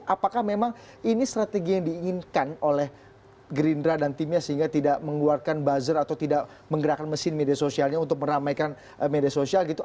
apakah memang ini strategi yang diinginkan oleh gerindra dan timnya sehingga tidak mengeluarkan buzzer atau tidak menggerakkan mesin media sosialnya untuk meramaikan media sosial gitu